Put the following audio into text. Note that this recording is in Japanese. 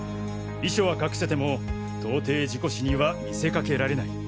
遺書は隠せても到底事故死には見せかけられない。